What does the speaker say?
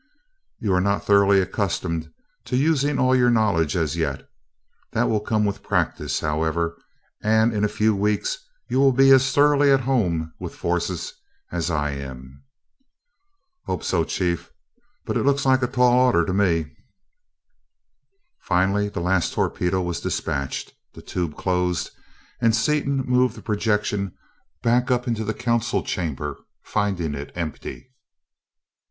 "You are not thoroughly accustomed to using all your knowledge as yet. That will come with practice, however, and in a few weeks you will be as thoroughly at home with forces as I am." "Hope so, Chief, but it looks like a tall order to me." Finally the last torpedo was dispatched, the tube closed, and Seaton moved the projection back up into the council chamber, finding it empty.